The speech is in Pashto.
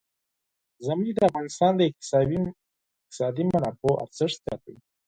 ژمی د افغانستان د اقتصادي منابعو ارزښت زیاتوي.